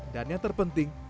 dan yang terakhir